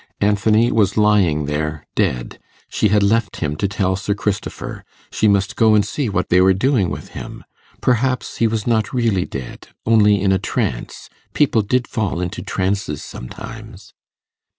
Anthony was lying there dead; she had left him to tell Sir Christopher; she must go and see what they were doing with him; perhaps he was not really dead only in a trance; people did fall into trances sometimes.